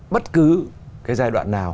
bất cứ cái giai đoạn nào